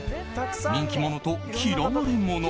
人気者と嫌われ者。